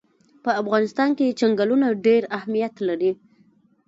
په افغانستان کې چنګلونه ډېر اهمیت لري.